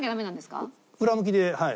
裏向きではい。